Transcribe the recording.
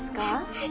はい。